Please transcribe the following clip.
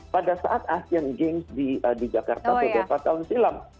pada saat asian games di jakarta pada empat tahun silam